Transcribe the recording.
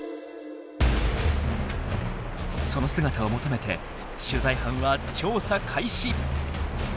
その姿を求めて取材班は調査開始。